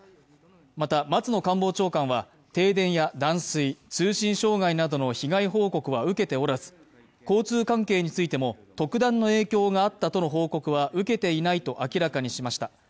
また松野官房長官は停電や断水、通信障害などの被害報告は受けておらず、交通関係についても、特段の影響があったとの報告は受けていないと明らかにしました。